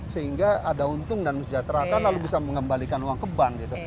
sehingga ada untung dan mesejahterakan lalu bisa mengembalikan uang ke bank